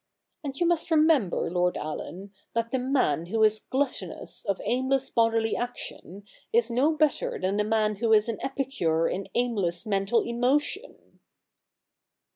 And you must remember, Lord Allen, that the man who is gluttonous of aimless bodily action is no better than the man who is an epicure in aimless mental emotion.'